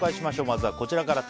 まずはこちらから。